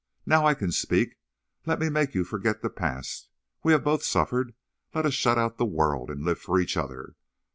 Now I can speak. Let me make you forget the past. We have both suffered; let us shut out the world, and live for each other.